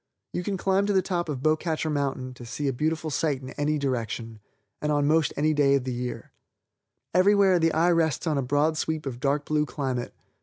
You can climb to the top of Beaucatcher Mountain and see a beautiful sight in any direction, and on most any day of the year. Every where the eye rests on a broad sweep of dark blue climate.